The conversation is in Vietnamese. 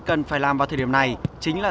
cần phải làm vào thời điểm này chính là